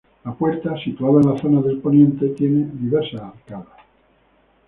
La puerta, situada en la zona de poniente, tiene diversas arcadas.